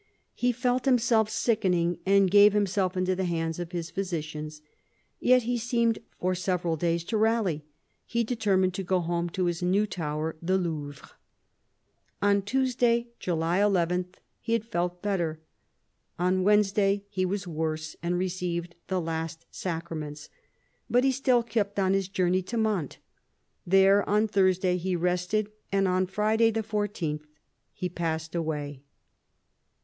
He felt himself sickening and gave himself into the hands of his physicians. Yet he seemed for several days to rally. He determined to go home to his new tower, the Louvre. On Tuesday, July 11, he had felt better. On Wednesday he was worse, and received the last sacraments. But he still kept on his journey to Mantes. There on Thursday he rested, and on Friday the 14th he passed away.